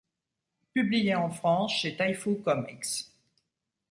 Publié en France chez Taifu comics.